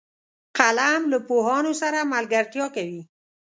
قلم له پوهانو سره ملګرتیا کوي